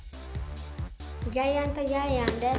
ジャイアントジャイアンです。